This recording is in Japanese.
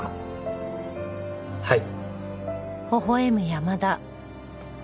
はい。